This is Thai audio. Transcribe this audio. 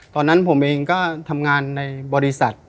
ตอนนั้นผมเองก็ทำงานในบริษัท